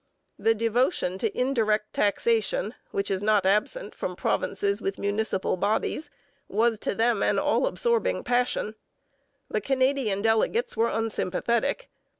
The devotion to indirect taxation, which is not absent from provinces with municipal bodies, was to them an all absorbing passion. The Canadian delegates were unsympathetic.